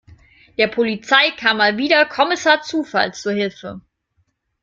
Der Polizei kam mal wieder Kommissar Zufall zur Hilfe.